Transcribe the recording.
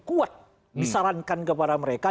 kuat disarankan kepada mereka